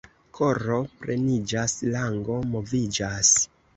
Koro pleniĝas — lango moviĝas.